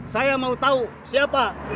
saya mau tau siapa